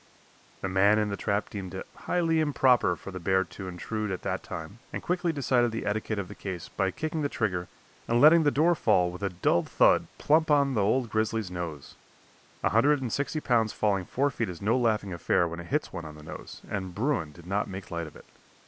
The man in the trap deemed it highly improper for the bear to intrude at that time, and quickly decided the etiquette of the case by kicking the trigger and letting the door fall with a dull thud plump upon the old grizzly's nose. A hundred and sixty pounds falling four feet is no laughing affair when it hits one on the nose, and bruin did not make light of it.